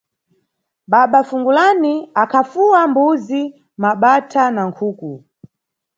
Baba Fungulani akhafuwa mbuzi, mabatha na nkhuku.